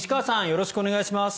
よろしくお願いします。